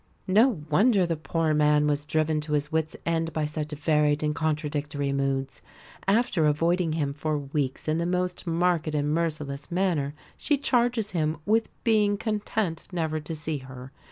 No wonder the poor man was driven to his wits' end by such varied and contradictory moods. After avoiding him for weeks in the most marked and merciless manner she charges him with "being content never to see her."